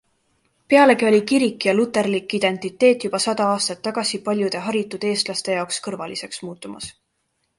Pealegi oli kirik ja luterlik identiteet juba sada aastat tagasi paljude haritud eestlaste jaoks kõrvaliseks muutumas.